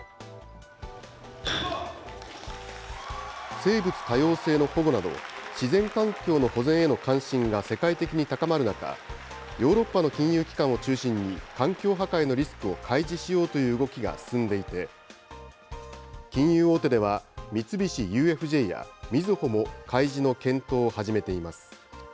生物多様性の保護など、自然環境の保全への関心が世界的に高まる中、ヨーロッパの金融機関を中心に環境破壊のリスクを開示しようという動きが進んでいて、金融大手では、三菱ＵＦＪやみずほも開示の検討を始めています。